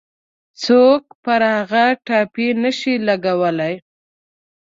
څوک پر هغوی ټاپې نه شي لګولای.